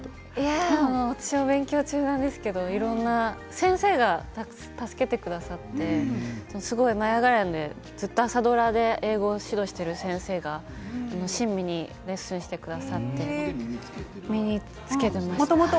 勉強中なんですけれど先生が助けてくださって「舞いあがれ！」で朝ドラで英語を指導してくださっている先生が親身にレッスンをしてくださって身につけました。